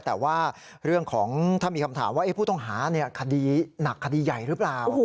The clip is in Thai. แต่ว่าเรื่องของถ้ามีคำถามว่าผู้ต้องหาคดีหนักคดีใหญ่หรือเปล่า